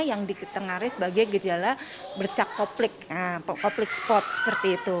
yang di tengahnya sebagai gejala bercak koplik koplik spot seperti itu